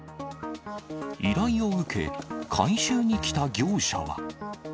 依頼を受け、回収に来た業者は。